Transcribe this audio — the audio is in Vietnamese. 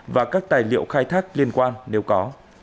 và các tài liệu khai thác liên quan nếu có